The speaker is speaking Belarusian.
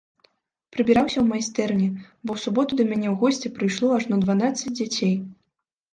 Прыбіраўся ў майстэрні, бо ў суботу да мяне ў госці прыйшло ажно дванаццаць дзяцей.